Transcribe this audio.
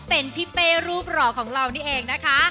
เป็นพี่เป้รูปหล่อของเรานี่เองนะคะ